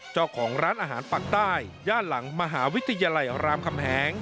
เจ้าของร้านอาหารปากใต้ย่านหลังมหาวิทยาลัยรามคำแหง